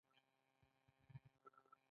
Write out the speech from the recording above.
هغوی په صمیمي دریاب کې پر بل باندې ژمن شول.